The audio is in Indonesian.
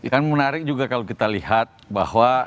kan menarik juga kalau kita lihat bahwa